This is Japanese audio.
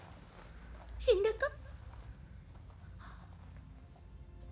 死んだか？